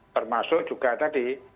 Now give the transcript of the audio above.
termasuk juga tadi